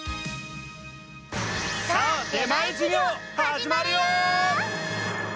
さあ出前授業はじまるよ！